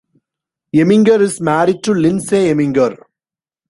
Eminger is married to Lindsay Eminger.